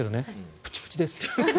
プチプチです。